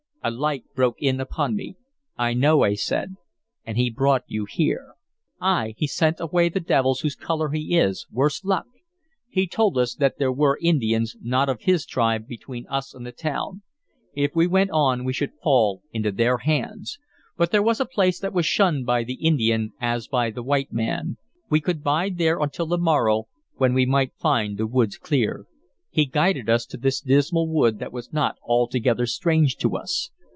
A light broke in upon me. "I know," I said. "And he brought you here" "Ay, he sent away the devils whose color he is, worse luck! He told us that there were Indians, not of his tribe, between us and the town. If we went on we should fall into their hands. But there was a place that was shunned by the Indian as by the white man: we could bide there until the morrow, when we might find the woods clear. He guided us to this dismal wood that was not altogether strange to us.